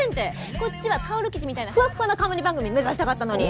こっちはタオル生地みたいなフワッフワの冠番組目指したかったのに！